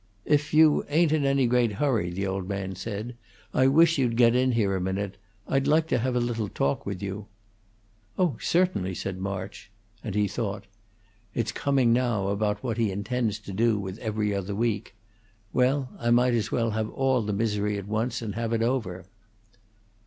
"If you ain't in any great hurry," the old man said, "I wish you'd get in here a minute. I'd like to have a little talk with you." "Oh, certainly," said March, and he thought: "It's coming now about what he intends to do with 'Every Other Week.' Well, I might as well have all the misery at once and have it over."